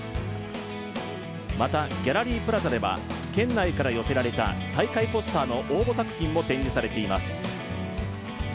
また、ギャラリープラザでは県内から寄せられた大会ポスターの応募作品も展示されています。